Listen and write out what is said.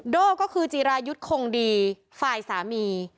โด่ก็คือจีรายุทธ์คงดีฝ่ายสามี